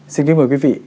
xin kính mời quý vị